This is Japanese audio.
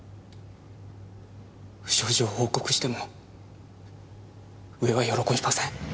不祥事を報告しても上は喜びません。